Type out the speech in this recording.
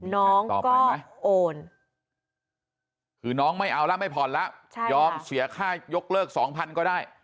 น้องก็โอนคือน้องไม่เอาแล้วไม่ผ่อนแล้วยอมเสียค่ายกเลิก๒๐๐ก็ได้